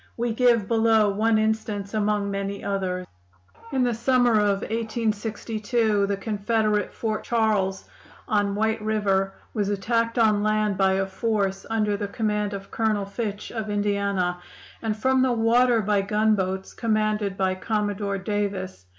We give below one instance among many others. "In the summer of 1862 the Confederate Fort Charles, on White River, was attacked on land by a force under the command of Colonel Fitch, of Indiana, and from the water by gunboats commanded by Commodore Davis.